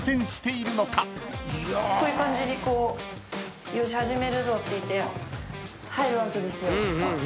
こういう感じでこうよし始めるぞっていって入るわけですよ。